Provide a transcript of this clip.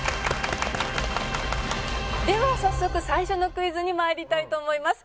では早速最初のクイズに参りたいと思います。